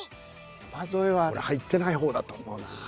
山添は俺入ってない方だと思うな。